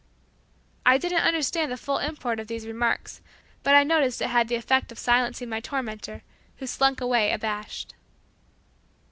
I didn't understand the full import of these remarks, but I noticed it had the effect of silencing my tormentor who slunk away abashed.